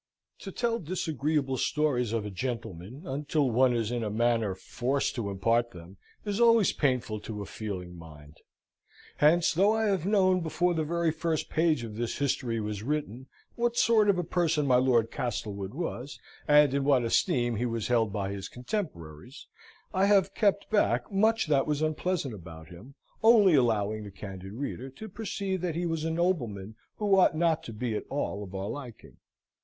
To tell disagreeable stories of a gentleman, until one is in a manner forced to impart them, is always painful to a feeling mind. Hence, though I have known, before the very first page of this history was written, what sort of a person my Lord Castlewood was, and in what esteem he was held by his contemporaries, I have kept back much that was unpleasant about him, only allowing the candid reader to perceive that he was a nobleman who ought not to be at all of our liking.